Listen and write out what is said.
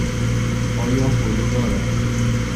آیا حوله دارد؟